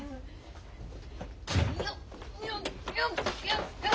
よっよっよっよっよっ！